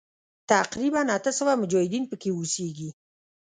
تقریباً اته سوه مجاهدین پکې اوسیږي.